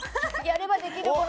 やればできる子。